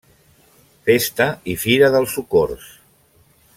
Festa i Fira del Socors.